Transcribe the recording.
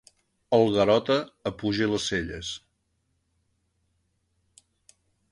El Garota apuja les celles.